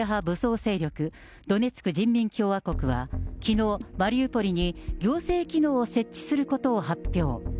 武装勢力、ドネツク人民共和国は、きのう、マリウポリに行政機能を設置することを発表。